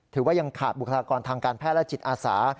ถือว่ายังขาดบุคลากรทางการแพทย์และจิตอาสา